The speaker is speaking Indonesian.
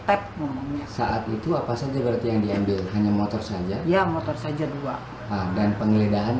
terima kasih saat itu apa saja berarti yang diambil hanya motor saja ya motor saja dua dan penggeledahan